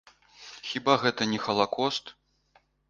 Хіба гэта не халакост?